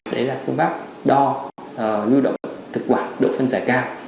đấy là phương pháp đo nhu động thực quản độ phân giải cao